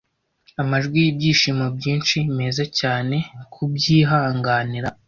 Amajwi y'ibyishimo byinshi, meza cyane kubyihanganira;